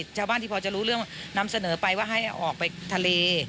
ชาวบ้านที่พอจะรู้เรื่องนำเสนอไปว่าให้ออกไปทะเล